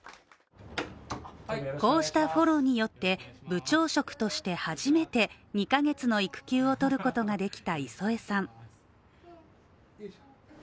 こうしたフォローによって、部長職として初めて２カ月の育休を取ることができた磯江さん。